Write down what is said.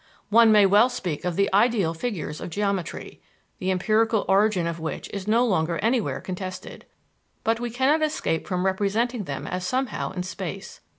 One may well speak of the ideal figures of geometry the empirical origin of which is no longer anywhere contested but we cannot escape from representing them as somehow in space.